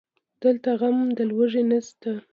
دلته غم د لوږې نشته